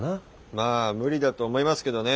まあ無理だと思いますけどね。